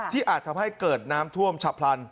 อาจทำให้เกิดน้ำท่วมฉับพลัน